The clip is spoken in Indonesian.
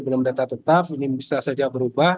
belum data tetap ini bisa saja berubah